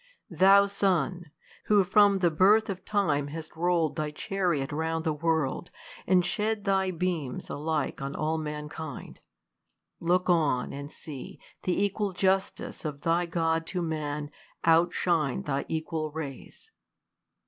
Thou sun ! who from the birth of time hast roll'd Thy chariot round the v/orld, and shed thy beam* Alike on all mankind, look on and see The equal justice of thy God to man Outshine thy equal rays.